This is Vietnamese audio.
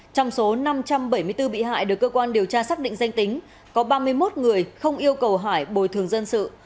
trong số năm trăm bảy mươi bốn bị hại được cơ quan điều tra xác định danh tính có ba mươi một người không yêu cầu hải bồi thường dân sự